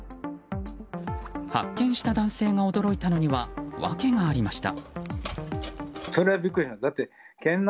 発見した男性が驚いたのには訳がありました。